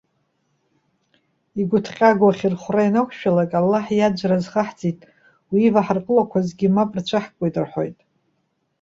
Игәыҭҟьагоу ахьырхәра ианақәшәалак:- Аллаҳ иаӡәра азхаҳҵеит, уи иваҳарҟәылақәазгьы мап рцәаҳкуеи,- рҳәоит.